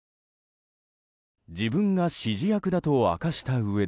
自分が指示役だと明かしたうえで。